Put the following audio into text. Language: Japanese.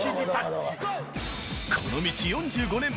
この道４５年。